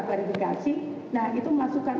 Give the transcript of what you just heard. verifikasi nah itu masukkan